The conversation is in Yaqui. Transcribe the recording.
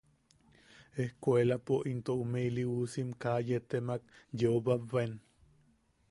Ejkuelapo into ume iliusim kaa yee temak yeobaebaen.